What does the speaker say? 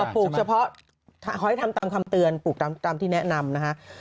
ปลูกเฉพาะหอยทำตามคำเตือนปลูกตามที่แนะนำนะฮะ